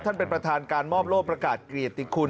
เป็นประธานการมอบโลกประกาศเกียรติคุณ